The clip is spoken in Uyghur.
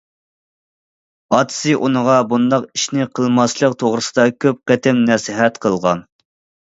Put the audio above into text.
ئاتىسى ئۇنىڭغا بۇنداق ئىشنى قىلماسلىق توغرىسىدا كۆپ قېتىم نەسىھەت قىلغان.